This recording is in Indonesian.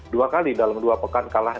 dua kali dalam dua pekan kalah